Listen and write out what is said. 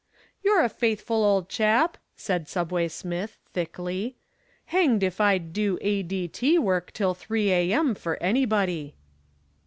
"You're a faithful old chap," said Subway Smith, thickly. "Hanged if I'd do A.D.T. work till three A.M. for anybody."